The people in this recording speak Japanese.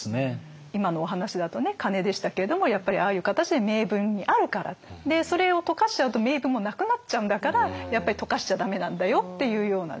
今のお話だと鐘でしたけれどもやっぱりああいう形で銘文にあるからそれを溶かしちゃうと銘文もなくなっちゃうんだからやっぱり溶かしちゃ駄目なんだよっていうようなですね